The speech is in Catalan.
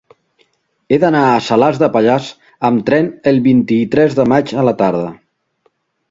He d'anar a Salàs de Pallars amb tren el vint-i-tres de maig a la tarda.